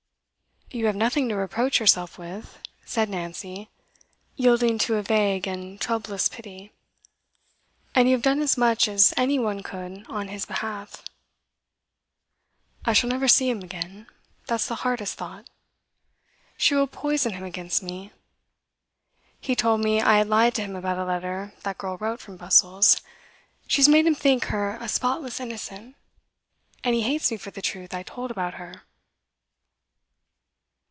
'You have nothing to reproach yourself with,' said Nancy, yielding to a vague and troublous pity. 'And you have done as much as any one could on his behalf.' 'I shall never see him again that's the hardest thought. She will poison him against me. He told me I had lied to him about a letter that girl wrote from Brussels; she has made him think her a spotless innocent, and he hates me for the truth I told about her.